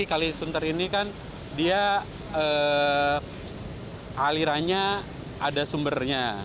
kalisunter ini kan dia alirannya ada sumbernya